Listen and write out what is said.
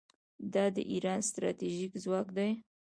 دا د ایران ستراتیژیک ځواک دی.